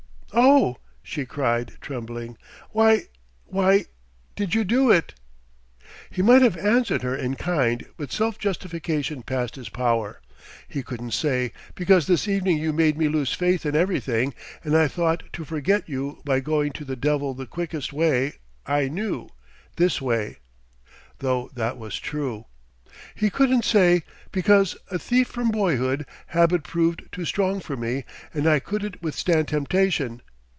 "Oh!" she cried, trembling "why_ why_ did you do it?" He might have answered her in kind, but self justification passed his power. He couldn't say, "Because this evening you made me lose faith in everything, and I thought to forget you by going to the devil the quickest way I knew this way!" though that was true. He couldn't say: "Because, a thief from boyhood, habit proved too strong for me, and I couldn't withstand temptation!"